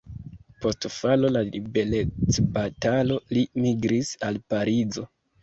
Post falo de la liberecbatalo li migris al Parizo.